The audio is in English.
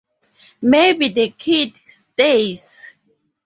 Maybe the kid stays.